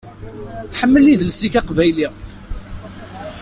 Ḥemmel idles-ik aqbayli.